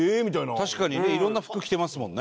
確かにね色んな服着てますもんね。